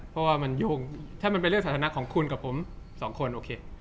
เพราะว่ามันยุ่งถ้ามันเป็นเรื่องสาธารณะของคุณกับผมสองคนโอเค